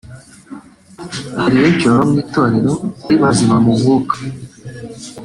Hari benshi baba mu Itorero ari bazima mu mwuka